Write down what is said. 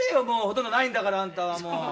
もうほとんどないんだからあんたは。